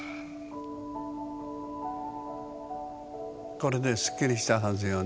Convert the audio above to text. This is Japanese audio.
これでスッキリしたはずよね。